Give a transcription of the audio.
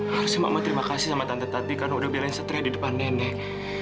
harusnya mama terima kasih sama tante tadi karena udah bilangin satria di depan nenek